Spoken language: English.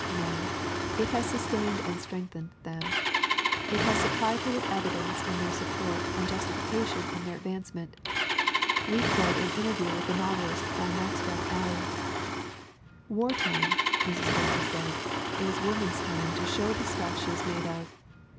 No, it has sustained and strengthened them; it has supplied her with evidence in their support and justification in their advancement. We quote an in terview with the novelist by Maxwell Aley: "War time (Mrs. Willsie said) is woman's time to show the stuff she is made of.